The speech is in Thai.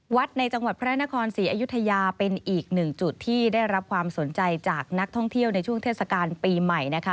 วัดในจังหวัดพระนครศรีอยุธยาเป็นอีกหนึ่งจุดที่ได้รับความสนใจจากนักท่องเที่ยวในช่วงเทศกาลปีใหม่นะคะ